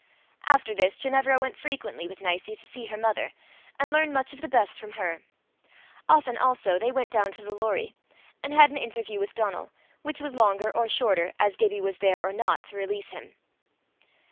After this, Ginevra went frequently with Nicie to see her mother, and learned much of the best from her. Often also they went down to the Lorrie, and had an interview with Donal, which was longer or shorter as Gibbie was there or not to release him.